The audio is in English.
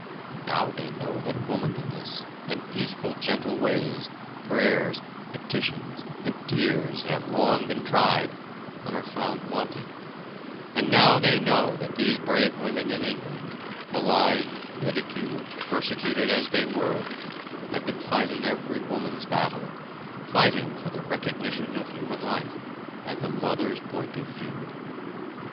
Now they know that womanliness, and peaceful gentle ways, prayers, petitions and tears have long been tried but are found wanting; and now they know that these brave women in England, maligned, ridiculed, persecuted, as they were, have been fighting every woman's battle, fighting for the recognition of human life, and the mother's point of view.